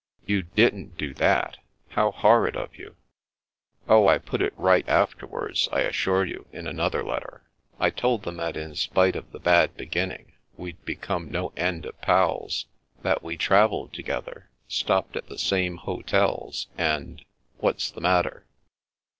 " You didn't do that I How horrid of you !"" Oh, I put it right afterwards, I assure you, in another letter. I told them that in spite of the bad beginning, we'd become no end of pals. That we travelled together, stopped at the same hotels, and — what's the matter